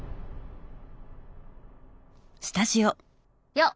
よっ！